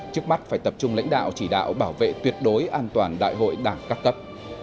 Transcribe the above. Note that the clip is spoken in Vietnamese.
trước mắt phải tập trung lãnh đạo chỉ đạo bảo vệ tuyệt đối an toàn đại hội đảng các cấp